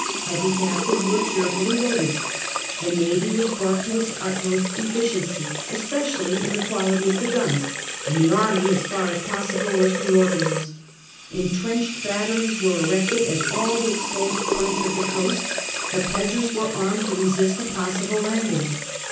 Heavy taxes were cheerfully voted \ the navy was brought to its utmost Dutch pre efficiency, especially in the quality of the guns, parations. and the army, as far as possible, was reorga nised. Entrenched batteries were erected at all the exposed points of the coast ; the peasants were armed to resist a possible landing.